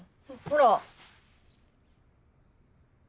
ほら。